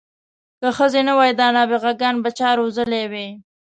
که ښځې نه وای دا نابغه ګان به چا روزلي وی.